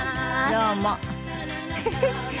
どうも。